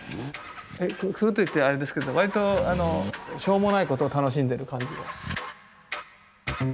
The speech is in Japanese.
こういうこと言ったらあれですけど割としょうもないことを楽しんでる感じが。